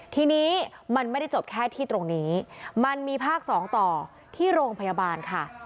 ทีนี้มันไม่ได้จบแค่ที่ตรงนี้มันมีภาค๒ต่อที่โรงพยาบาลค่ะ